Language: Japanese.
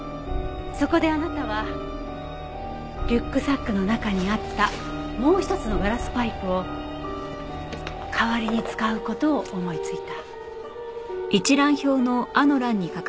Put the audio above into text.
そこであなたはリュックサックの中にあったもう一つのガラスパイプを代わりに使う事を思いついた。